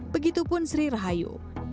begitupun sri rahayu